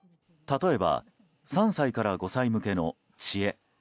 例えば３歳から５歳向けの「ちえ」。